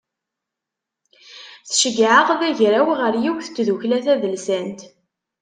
Tceggeɛ-aɣ d agraw ɣer yiwet n tdukla tadelsant.